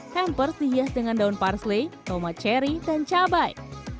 hampers dihias dengan daun parsley tomat cherry dan cabai